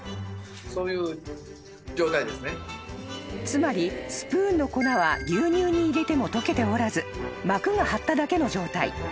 ［つまりスプーンの粉は牛乳に入れても溶けておらず膜がはっただけの状態］